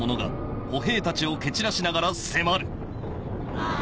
あぁ！